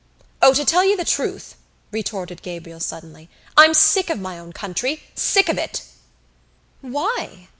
"O, to tell you the truth," retorted Gabriel suddenly, "I'm sick of my own country, sick of it!" "Why?"